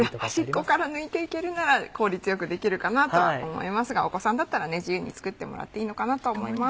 端っこから抜いていけるなら効率良くできるかなとは思いますがお子さんだったら自由に作ってもらっていいのかなと思います。